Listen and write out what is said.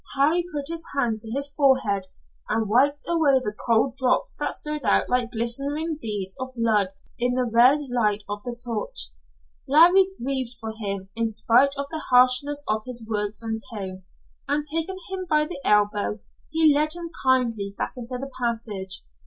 Harry put his hand to his forehead and wiped away the cold drops that stood out like glistening beads of blood in the red light of the torch. Larry grieved for him, in spite of the harshness of his words and tone, and taking him by the elbow, he led him kindly back into the passage.